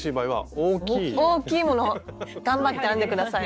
大きいものを頑張って編んで下さい。